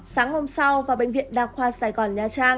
sáng hôm sau vào bệnh viện đa khoa sài gòn nha trang